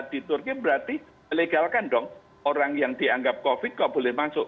di turki berarti legalkan dong orang yang dianggap covid kok boleh masuk